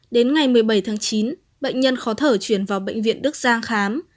đến ngày một mươi bảy tháng chín bệnh nhân khó thở chuyển vào bệnh viện đức giang khám